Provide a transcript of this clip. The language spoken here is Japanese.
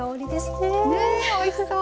ねおいしそう。